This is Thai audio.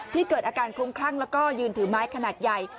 เกิดอาการคลุ้มคลั่งแล้วก็ยืนถือไม้ขนาดใหญ่